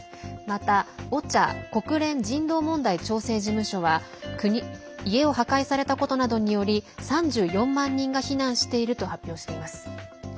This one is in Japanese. また、ＯＣＨＡ＝国連人道問題調整事務所は家を破壊されたことなどにより国、家を破壊されたことにより３４万人が避難していると発表しています。